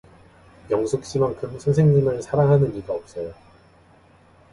영숙 씨만큼 선생님을 사랑하는 이가 없어요.